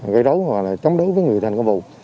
gây rấu hoặc là chống đối với người thi hành công vụ